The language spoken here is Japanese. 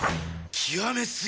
極め過ぎ！